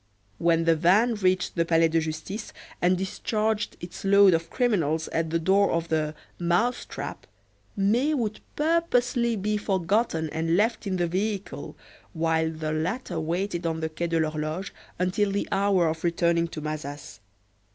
When the van reached the Palais de Justice and discharged its load of criminals at the door of the "mouse trap" May would purposely be forgotten and left in the vehicle, while the latter waited on the Quai de l'Horloge until the hour of returning to Mazas.